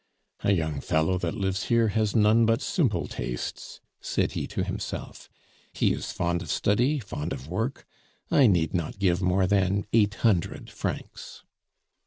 "A young fellow that lives here has none but simple tastes," said he to himself; "he is fond of study, fond of work; I need not give more than eight hundred francs."